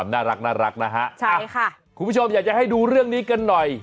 น่ารักนะฮะใช่ค่ะคุณผู้ชมอยากจะให้ดูเรื่องนี้กันหน่อย